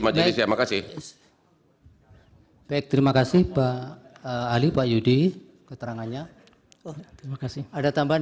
majelis ya makasih baik terima kasih pak ali pak yudi keterangannya terima kasih ada tambahan